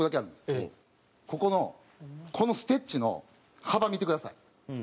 ここのこのステッチの幅見てください。